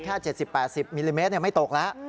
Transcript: แค่๗๐๘๐มิลลิเมตรไม่ตกแล้ว